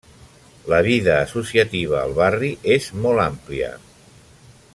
La vida associativa al barri és molt àmplia.